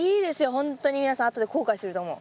ほんとに皆さんあとで後悔すると思う。